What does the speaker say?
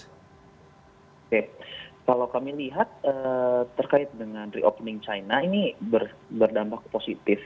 oke kalau kami lihat terkait dengan reopening china ini berdampak positif